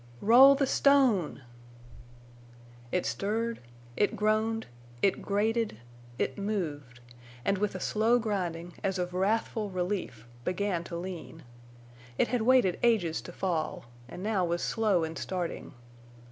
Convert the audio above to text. "ROLL THE STONE!" It stirred, it groaned, it grated, it moved, and with a slow grinding, as of wrathful relief, began to lean. It had waited ages to fall, and now was slow in starting.